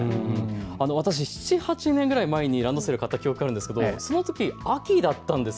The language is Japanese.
私、７、８年前くらいにランドセルを買った記憶あるんですけれど、そのとき秋だったんです。